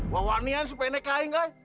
wah wani kan sepenek aing kak